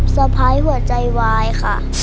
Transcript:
สะพ้ายหัวใจวายค่ะ